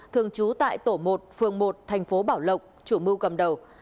thường trú tại tổ một phường một thành phố bảo lộc chủ mưu cầm đầu